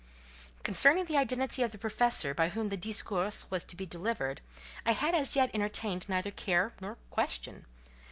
Concerning the identity of the professor by whom the "discours" was to be delivered, I had as yet entertained neither care nor question.